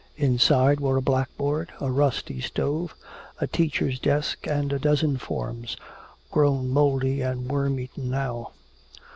Inside were a blackboard, a rusty stove, a teacher's desk and a dozen forms, grown mouldy and worm eaten now.